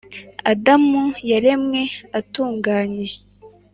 Adamu yaremwe atunganye